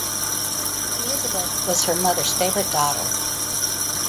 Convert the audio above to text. Elizabeth was her mother's favorite daughter.